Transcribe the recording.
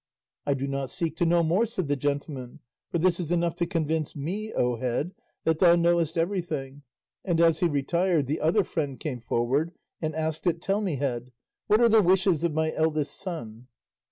"I do not seek to know more," said the gentleman, "for this is enough to convince me, O Head, that thou knowest everything;" and as he retired the other friend came forward and asked it, "Tell me, Head, what are the wishes of my eldest son?"